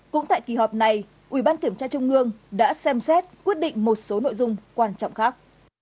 cũng tại kỳ họp này ủy ban kiểm tra trung ương đã xem xét quyết định một số nội dung quan trọng khác